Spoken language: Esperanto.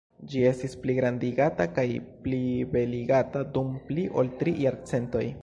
Ĝi estis pligrandigata kaj plibeligata dum pli ol tri jarcentoj.